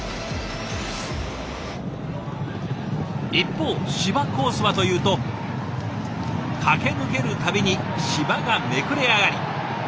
一方芝コースはというと駆け抜ける度に芝がめくれ上がり。